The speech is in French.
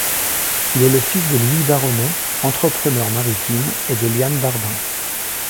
Il est le fils de Louis Baronnet, entrepreneur maritime, et de Liane Bardin.